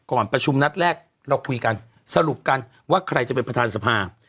ก่อนประชุมนัดแรกเราคุยกันสรุปกันว่าใครจะเป็นประธานสภา